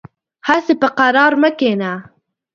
هسې په قرار مه کېنه .